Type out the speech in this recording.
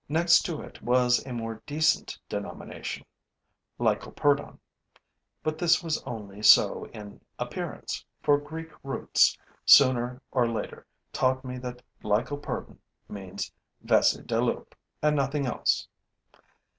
Next to it was a more decent denomination: Lycoperdon; but this was only so in appearance, for Greek roots sooner or later taught me that Lycoperdon means vesse de loup and nothing else.